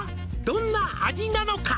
「どんな味なのか？」